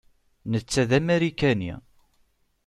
Netta d Amarikani.